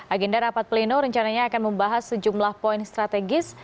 agenda rapat pleno rencananya akan membahas sejumlah poin strategis